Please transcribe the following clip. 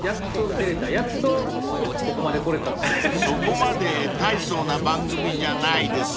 ［そこまで大層な番組じゃないですよ］